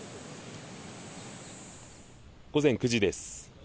午前９時です。